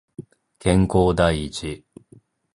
健康第一